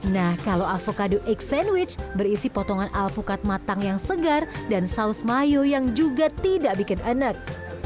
nah kalau avocado egg sandwich berisi potongan alpukat matang yang segar dan saus mayo yang juga tidak bikin enak